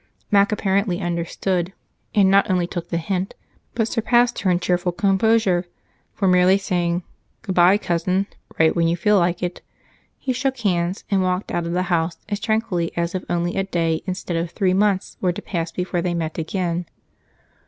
Mac apparently understood, and not only took the hint, but surpassed her in cheerful composure, for, merely saying "Good bye, Cousin; write when you feel like it," he shook hands and walked out of the house as tranquilly as if only a day instead of three months were to pass before they met again.